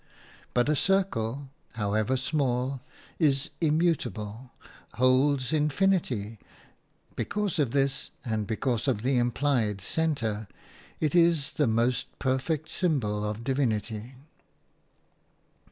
But a circle, however small, is immutable, holds infinity; because of this, and because of the implied centre, it is the most perfect symbol of Divinity.